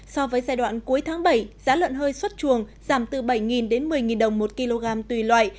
so với giai đoạn cuối tháng bảy giá lợn hơi xuất chuồng giảm từ bảy đến một mươi đồng một kg tùy loại